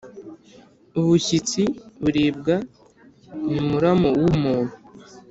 Ubushyitsi buribwa ni muramu w’umuntu.